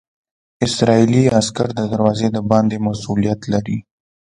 اسرائیلي عسکر د دروازې د باندې مسوولیت لري.